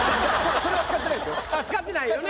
それはあっ使ってないよね。